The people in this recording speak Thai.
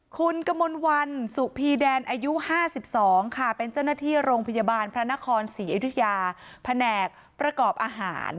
คุณกมลวันสุพีแดนอายุ๕๒ค่ะเป็นเจ้าหน้าที่โรงพยาบาลพระนครศรีอยุธยาแผนกประกอบอาหาร